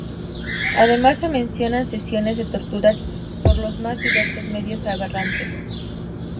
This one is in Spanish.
Además se mencionan sesiones de torturas por los más diversos medios aberrantes.